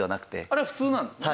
あれは普通なんですね？